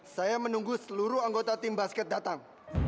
saya menunggu seluruh anggota tim basket datang